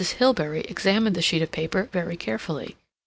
Hilbery examined the sheet of paper very carefully.